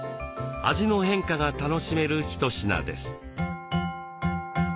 味の変化が楽しめる一品です。